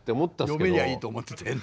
読めりゃいいと思ってたよね。